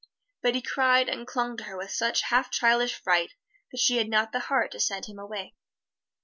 But he cried and clung to her with such half childish fright that she had not the heart to send him away.